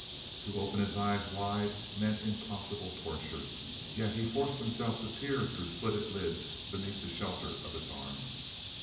To open his eyes wide meant impossible torture, yet he forced himself to peer through slitted lids beneath the shelter of his arm.